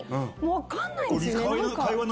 分かんないんですよね。